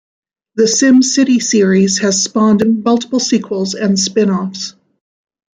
The "SimCity" series has spawned multiple sequels and spin-offs.